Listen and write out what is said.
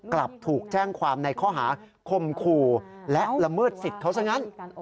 กลับถูกแจ้งความในข้อหาคมขู่และละเมิดสิทธิ์เขาซะงั้น